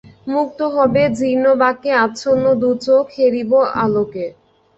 মুক্ত হবে জীর্ণ বাক্যে আচ্ছন্ন দু চোখ-- হেরিবে আলোক।